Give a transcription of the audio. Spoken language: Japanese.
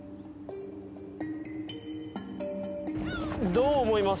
どう思います？